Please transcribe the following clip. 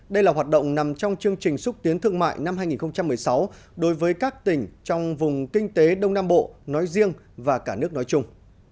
đây là hoạt động nằm trong chương trình xúc tiến thương mại năm hai nghìn một mươi sáu đối với các tỉnh trong vùng kinh tế đông nam bộ nói riêng và cả nước nói chung